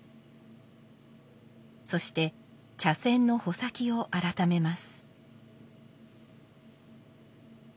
そして茶筅の穂先をあらためます。